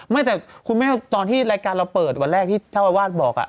ไม่แต่คุณแม่ตอนที่รายการเราเปิดวันแรกที่เจ้าอาวาสบอก